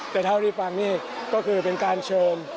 แต่เท่าที่ฟังนี่ก็คือเป็นการเชิญ